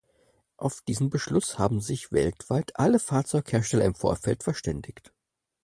Auf diesen Beschluss haben sich weltweit alle Fahrzeughersteller im Vorfeld verständigt.